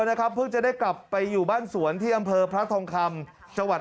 นะครับเพิ่งจะได้กลับไปอยู่บ้านสวนที่อำเภอพระทองคำจังหวัด